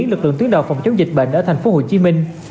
lực lượng tuyến đầu phòng chống dịch bệnh ở thành phố hồ chí minh